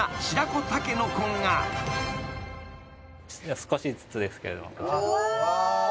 少しずつですけれども。